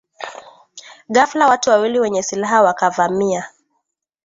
Ghafla watu wawili wenye silaha wakavamia